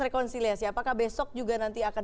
rekonsiliasi apakah besok juga nanti akan